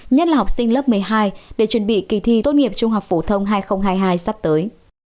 nhất là học sinh lớp một mươi hai để chuẩn bị kỳ thi tốt nghiệp trung học phổ thông hai nghìn hai mươi hai sắp tới